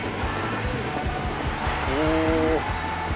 お！